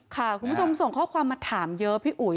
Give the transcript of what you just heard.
คุณผู้ชมส่งข้อความมาถามเยอะพี่อุ๋ย